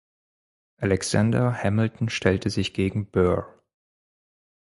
Alexander Hamilton stellte sich gegen Burr.